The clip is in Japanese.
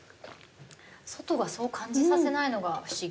外がそう感じさせないのが不思議。